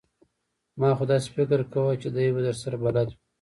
ما خو داسې فکر کاوه چې دی به درسره بلد وي!